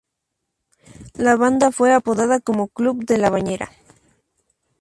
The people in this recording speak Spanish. La banda fue apodada como "Club de la bañera".